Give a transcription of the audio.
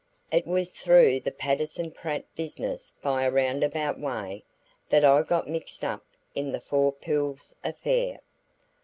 It was through the Patterson Pratt business by a roundabout way that I got mixed up in the Four Pools affair.